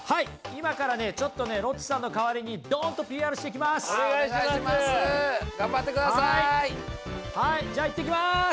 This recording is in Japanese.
今からね、ちょっとロッチさんの代わりにお願いします！